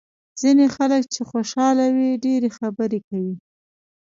ځینې خلک چې خوشاله وي ډېرې خبرې کوي.